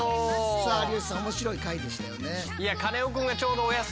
さあ有吉さん面白い回でしたよね。